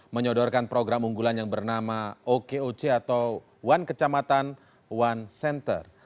menyodorkan program unggulan yang bernama okoc atau one kecamatan one center